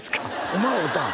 お前会うたん？